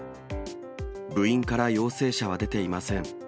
部員から陽性者は出ていません。